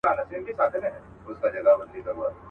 رښتيا دا دي چي د ښکلا تصور